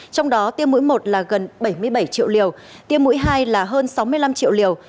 trong đó tiêm mũi một là gần bảy mươi bảy triệu liều tiêm mũi hai là hơn sáu mươi năm triệu liều